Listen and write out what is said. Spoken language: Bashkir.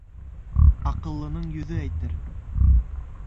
Аҡыллының йөҙө әйтер